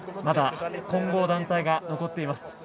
まだ、混合団体が残っています。